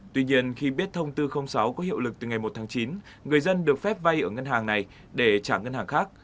tuy nhiên khi biết thông tư sáu có hiệu lực từ ngày một tháng chín người dân được phép vay ở ngân hàng này để trả ngân hàng khác